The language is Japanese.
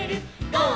ゴー！」